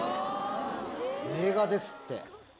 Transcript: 映画ですって。